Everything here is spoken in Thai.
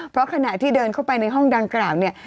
เพราะขณะที่เดินเข้าไปในห้องดังกล่าวเนี่ย